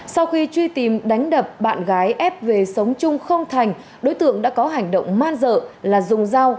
sau khi truy tìm đánh đập bạn gái ép về sống chung không thành đối tượng đã có hành động man dợ là dùng dao